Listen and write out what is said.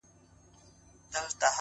صبر د پخې پرېکړې ملګری دی,